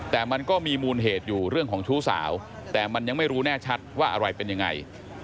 แต่มันก็มีมูลเหตุอยู่เรื่องของชู้สาวแต่มันยังไม่รู้แน่ชัดว่าอะไรเป็นยังไง